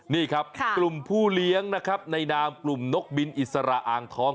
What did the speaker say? นี่ครับกลุ่มผู้เลี้ยงนะครับในนามกลุ่มนกบินอิสระอ่างทอง